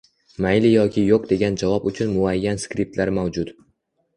— Mayli yoki yoʻq degan javob uchun muayyan skriptlar mavjud